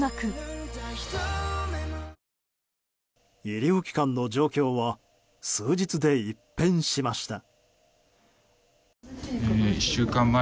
医療機関の状況は数日で一変しました。